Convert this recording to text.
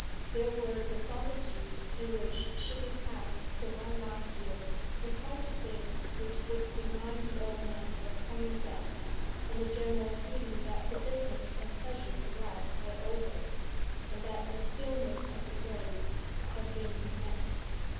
These were the solitude in which should be passed the one last year; the sight of things which would remind the old man of coming death; and the general feeling that the business and pleasures of life were over, and that the stillness of the grave had been commenced.